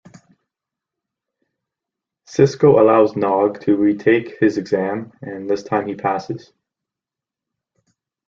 Sisko allows Nog to retake his exam, and this time he passes.